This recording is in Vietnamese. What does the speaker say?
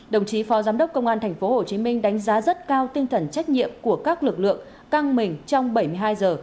đồng chí phó giám đốc công an tp hcm đánh giá rất cao tinh thần trách nhiệm của các lực lượng căng mình trong bảy mươi hai giờ